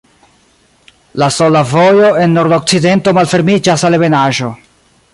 La sola vojo en nordokcidento malfermiĝas al ebenaĵo.